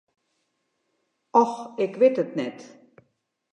Och, ik wit it net.